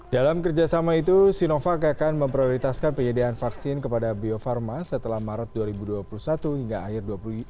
dalam kerjasama itu sinovac akan memprioritaskan penyediaan vaksin kepada bio farma setelah maret dua ribu dua puluh satu hingga akhir